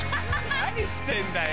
何してんだよ。